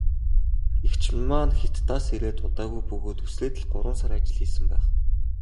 Эгч маань Хятадаас ирээд удаагүй бөгөөд үсрээд л гурван сар ажил хийсэн байх.